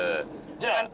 じゃあ。